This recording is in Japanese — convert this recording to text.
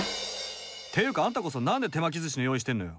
ていうかあんたこそ何で手巻きずしの用意してんのよ！